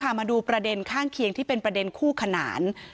มาดูประเด็นข้างเคียงที่เป็นประเด็นคู่ขนาน